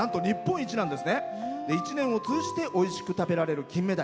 一年を通じておいしく食べられる金目鯛。